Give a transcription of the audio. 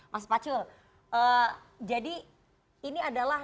mas pacul jadi ini adalah